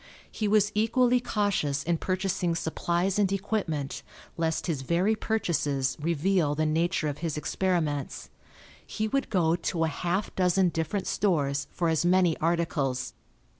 He was equally cautious in purchasing supplies and equipment lest his very purchases reveal the nature of his experiments. He would go to a half dozen different stores for as many articles.